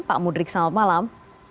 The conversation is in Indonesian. pak mudrik selamat malam